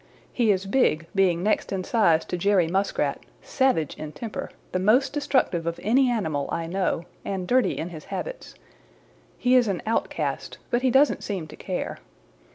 He is big, being next in size to Jerry Muskrat, savage in temper, the most destructive of any animal I know, and dirty in his habits. He is an outcast, but he doesn't seem to care.